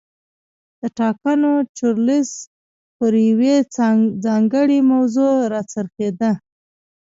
د ټاکنو چورلیز پر یوې ځانګړې موضوع را څرخېده.